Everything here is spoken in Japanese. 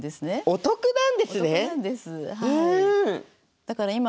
お得なんですはい。